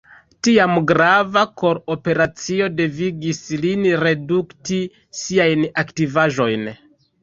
Tiam grava kor-operacio devigis lin redukti siajn aktivaĵojn.